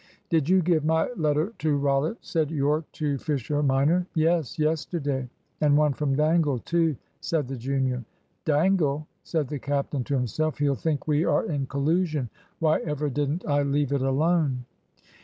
"Did you give my letter to Rollitt?" said Yorke to Fisher minor. "Yes, yesterday; and one from Dangle too," said the junior. "Dangle!" said the captain to himself; "he'll think we are in collusion. Why ever didn't I leave it alone?"